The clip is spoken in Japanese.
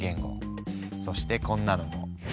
そしてこんなのも。